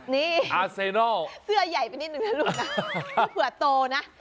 นี่อาเซโน่สื่อใหญ่ไปนิดนึงนะลูกผัวโตนะ